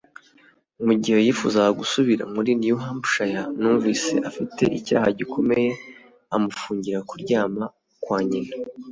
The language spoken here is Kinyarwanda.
Mugihe yifuzaga gusubira muri New Hampshire numvise afite icyaha gikomeye, amufungira kuryama kwa nyina.